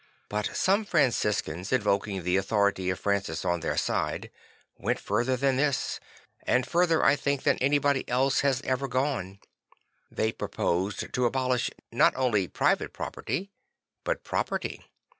But some Franciscans, invoking the authority of Francis on their side, went further than this and further I think than anybody else has ever gone. They proposed to abolish not only private property but property.